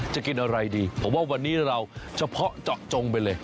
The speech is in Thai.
จะกินอะไรดีผมว่าวันนี้เราเฉพาะเจาะจงไปเลย